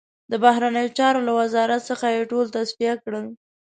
د بهرنیو چارو له وزارت څخه یې ټول تصفیه کړل.